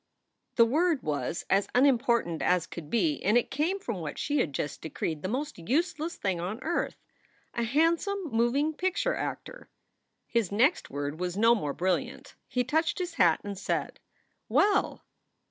The word was as unimportant as could be and it came from what she had just decreed the most useless thing on earth, a handsome moving picture actor. His next word was no more brilliant. He touched his hat and said : "Well!"